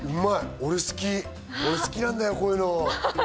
俺、好きなんだよ、こういうの。